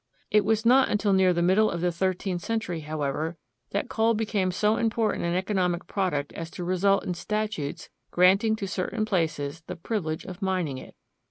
It was not until near the middle of the thirteenth century, however, that coal became so important an economic product as to result in statutes granting to certain places the privilege of mining it.